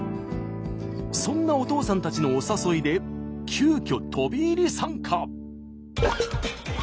そんなおとうさんたちのお誘いで急きょ飛び入り参加。